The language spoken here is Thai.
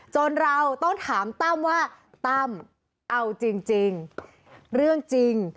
จนเราต้องถามตั้มว่าตั้มเอาจริงเรื่องจริง